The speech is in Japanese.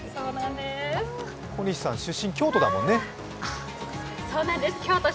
小西さん出身、京都だもんね